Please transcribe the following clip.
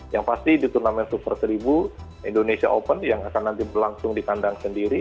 yang pasti di turnamen super seribu indonesia open yang akan nanti berlangsung di kandang sendiri